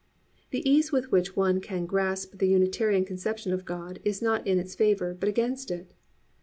The ease with which one can grasp the Unitarian conception of God is not in its favour but against it.